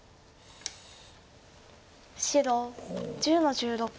白１０の十六。